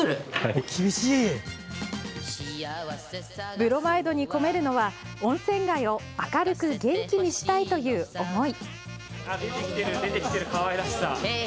ブロマイドに込めるのは温泉街を明るく元気にしたいという思い。